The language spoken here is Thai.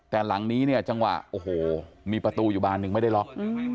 แต่หลังนี้เนี่ยจังหวะโอ้โหมีประตูอยู่บานหนึ่งไม่ได้ล็อก